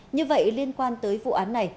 như vậy liên quan tới vụ án này